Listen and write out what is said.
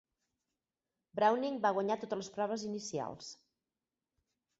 Browning va guanyar totes les proves inicials.